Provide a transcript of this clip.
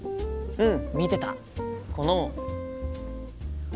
うん！